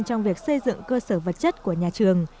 trong việc xây dựng cơ sở vật chất của nhà trường